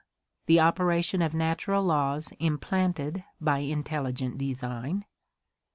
The operation of natural laws implanted by intelligent design, 3.